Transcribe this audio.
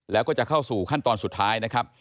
แล้วก็จะเข้าสู่ขั้นตอนสุดท้ายนะครับ